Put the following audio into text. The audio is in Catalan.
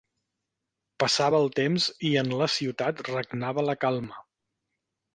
Passava el temps i en la ciutat regnava la calma